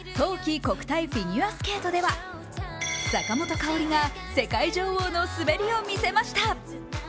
国体フィギュアスケートでは坂本花織が世界女王の滑りを見せました。